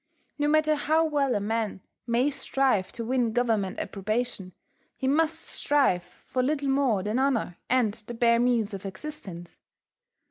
No matter how well a man may strive to win Government approbation, he must strive for little more than honour and the bare means of existence.